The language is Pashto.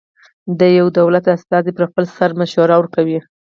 د یوه دولت استازی پر خپل سر مشوره ورکوي.